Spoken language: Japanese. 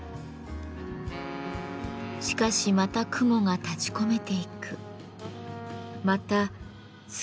しかしまた雲が立ちこめていく。